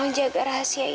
tolong jaga rahasia ini ya